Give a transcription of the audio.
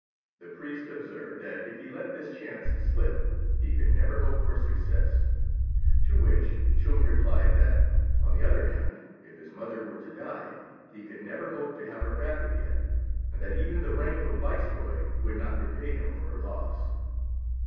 The priest observed that if he let this chance slip, he could never hope for success; to which Chung replied that, on the other hand, if his mother were to die he could never hope to have her back again, and that even the rank of Viceroy would not repay him for her loss.